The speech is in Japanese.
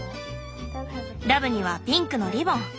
ダブにはピンクのリボン。